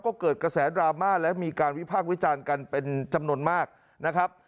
ก็เกิดกระแสดราม่าและมีการวิพากษ์วิจารณ์กันเป็นจำนวนมากนะครับ